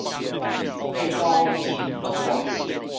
禮多人不怪